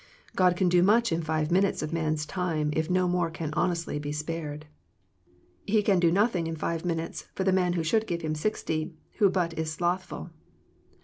God can do much in five minutes of man's time if no more can honestly be spared. He can do nothing in five minutes for the man who should give Him sixty, who but is slothful.